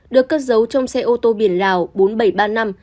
được cất giấu trong xe ô tô biển lào